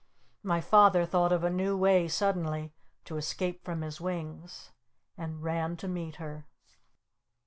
My Father thought of a new way suddenly to escape from his wings! And ran to meet her!